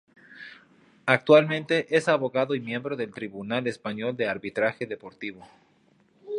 Actualmente es abogado y miembro del Tribunal Español de Arbitraje Deportivo.